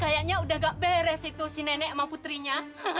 kayaknya udah gak beres itu si nenek sama putrinya